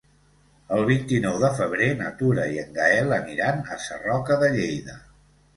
El vint-i-nou de febrer na Tura i en Gaël aniran a Sarroca de Lleida.